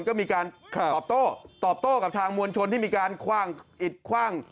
ก็มีการตอบโต้ตอบโต้กับทางมวลชนที่มีการคว่างอิดคว่าง